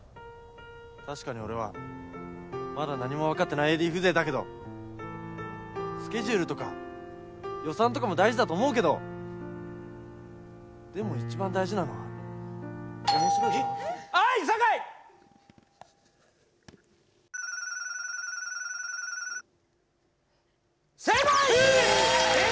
確かに俺はまだ何もわかってないＡＤ風情だけどスケジュールとか予算とかも大事だと思うけどでも一番大事なのははい坂井ええっ！？